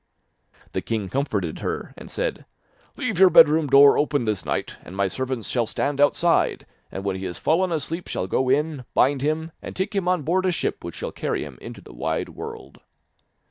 The king comforted her and said: 'Leave your bedroom door open this night, and my servants shall stand outside, and when he has fallen asleep shall go in, bind him, and take him on board a ship which shall carry him into the wide world.